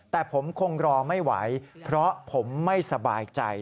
แต่ผมคงรอไม่ไหวเพราะผมไม่สบายใจ